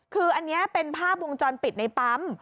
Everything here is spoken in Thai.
คืออันนี้เป็นภาพวงจรปิดในปั๊ม